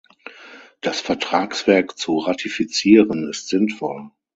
Das Vertragswerk zu ratifizieren, ist sinnvoll.